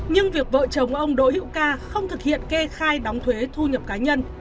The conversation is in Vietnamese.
nhưng việc vợ chồng ông đỗ hữu ca không thực hiện kê khai đóng thuế thu nhập cá nhân